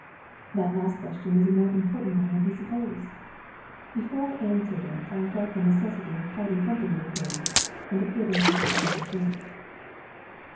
"That last question was a more important one than he supposed. Before I answered it, I felt the necessity of parting company with him and of getting a little time to think.